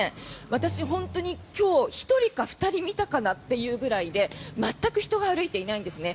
私、本当に今日１人か２人見たかなというぐらいで全く人が歩いていないんですね。